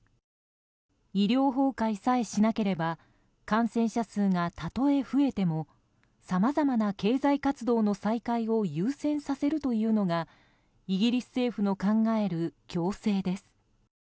医療崩壊さえしなければ感染者数がたとえ増えてもさまざまな経済活動の再開を優先させるというのがイギリス政府の考える共生です。